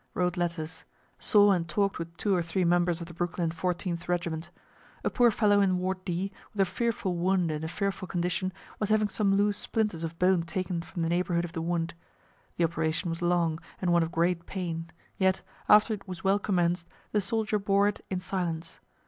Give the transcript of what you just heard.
Wrote letters. Saw and talk'd with two or three members of the Brooklyn 14th regt. A poor fellow in ward D, with a fearful wound in a fearful condition, was having some loose splinters of bone taken from the neighborhood of the wound. The operation was long, and one of great pain yet, after it was well commenced, the soldier bore it in silence.